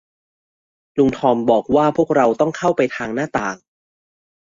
ลุงทอมบอกว่าพวกเราต้องเข้าไปทางหน้าต่าง